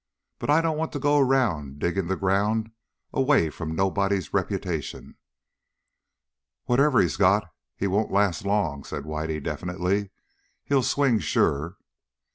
"But I don't want to go around digging the ground away from nobody's reputation." "Whatever he's got, he won't last long," said Whitey definitely. "He'll swing sure."